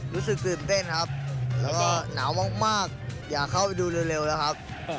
รู้สึกกำเต้นครับแล้วหนาวมากอยากเข้าไปดูเร็วรอครับ